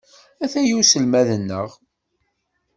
Ataya uselmad-nneɣ.